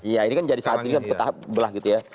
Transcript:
iya ini kan jadi saat ini kan belah gitu ya